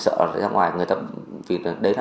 sợ ra ngoài